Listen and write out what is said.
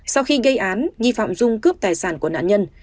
sau khi gây án nghi phạm dung cướp tài sản của nạn nhân